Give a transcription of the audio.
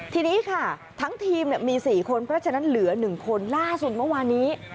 ทีนี้ค่ะทั้งทีมมี๔คนเพราะฉะนั้นเหลือ๑คนล่าสุดเมื่อวานี้